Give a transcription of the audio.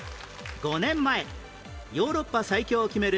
５年前ヨーロッパ最強を決める